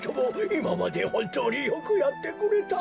いままでほんとうによくやってくれた。